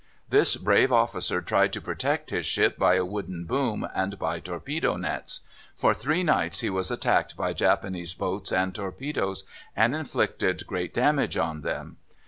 This brave officer tried to protect his ship by a wooden boom and by torpedo nets. For three nights he was attacked by Japanese boats and torpedoes, and inflicted great damage on them.